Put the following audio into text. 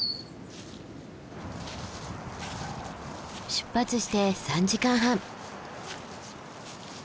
出発して３時間半。